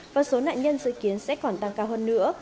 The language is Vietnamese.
và số nạn nhân dự kiến sẽ còn tăng cao hơn nữa